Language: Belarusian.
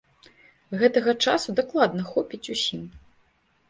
Гэтага часу дакладна хопіць усім.